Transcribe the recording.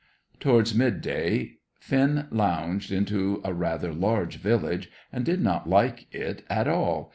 Towards midday Finn lounged into a rather large village, and did not like it at all.